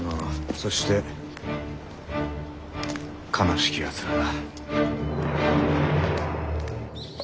そして悲しきやつらだ。